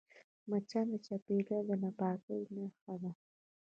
مچان د چاپېریال د ناپاکۍ نښه ده